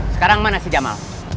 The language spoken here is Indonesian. sekarang mana si jamal